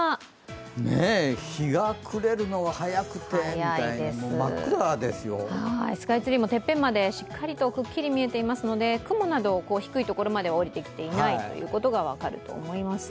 日が暮れるのが早くてスカイツリーもくっきりとてっぺんまで見えていますので雲など、低いところまで下りてきていないということが分かると思います。